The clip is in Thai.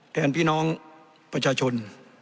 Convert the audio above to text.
แทนพี่น้องประชาชน